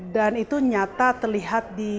itu nyata terlihat di